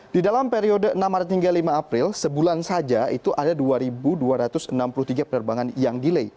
di dalam periode enam maret hingga lima april sebulan saja itu ada dua dua ratus enam puluh tiga penerbangan yang delay